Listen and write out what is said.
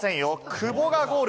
久保がゴール。